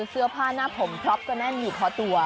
เสื้อผ้าหน้าผมพร็อปก็แน่นอยู่คอตัว